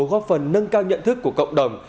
góp phần nâng cao nhận thức của cộng đồng